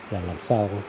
là làm sao